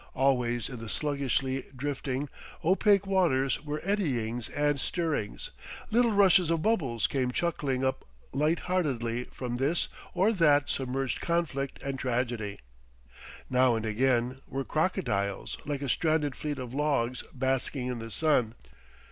Always in the sluggishly drifting, opaque water were eddyings and stirrings; little rushes of bubbles came chuckling up light heartedly from this or that submerged conflict and tragedy; now and again were crocodiles like a stranded fleet of logs basking in the sun.